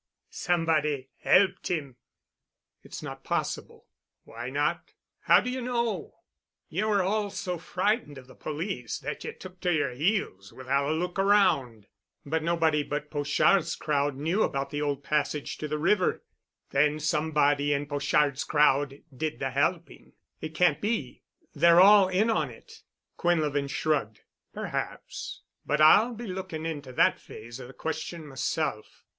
"Somebody helped him——" "It's not possible." "Why not? How do ye know? Ye were all so frightened of the police that ye took to yer heels without a look around." "But nobody but Pochard's crowd knew about the old passage to the river——" "Then somebody in Pochard's crowd did the helping." "It can't be. They're all in on it." Quinlevin shrugged. "Perhaps, but I'll be looking into that phase of the question myself."